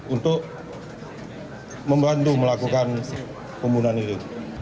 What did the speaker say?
untuk membantu melakukan pembunuhan ini